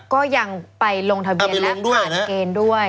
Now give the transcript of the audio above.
ก็ยังไปลงทะเบียนและผ่านเกณฑ์ด้วย